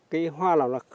cái hoa nào